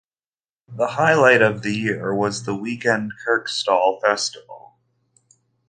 The highlight of the year was the weekend Kirkstall Festival.